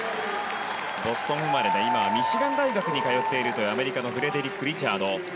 ボストン生まれで今はミシガン大学に通っているというアメリカのフレデリック・リチャード。